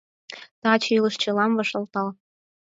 Таче илыш чылам вашталта.